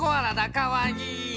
かわいい！